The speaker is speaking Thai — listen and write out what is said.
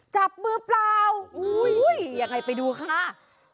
จับมือเปล่าอุ้ยยังไงไปดูค่ะ